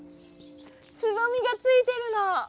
つぼみがついてるの！